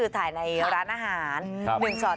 ถ่ายในร้านอาหารสอด